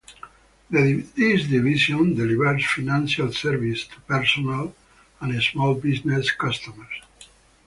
This division delivers financial services to personal and small business customers.